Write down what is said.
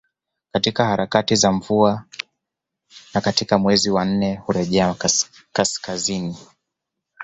Katika harakati za mvua na katika mwezi wa nne hurejea kaskazini